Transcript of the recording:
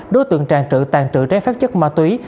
đối tượng tràn trự tàn trự trái phép chất ma túy